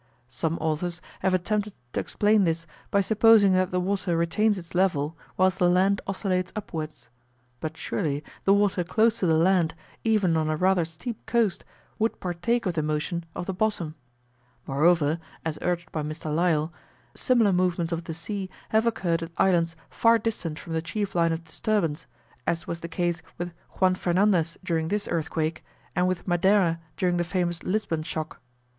Some authors have attempted to explain this, by supposing that the water retains its level, whilst the land oscillates upwards; but surely the water close to the land, even on a rather steep coast, would partake of the motion of the bottom: moreover, as urged by Mr. Lyell, similar movements of the sea have occurred at islands far distant from the chief line of disturbance, as was the case with Juan Fernandez during this earthquake, and with Madeira during the famous Lisbon shock.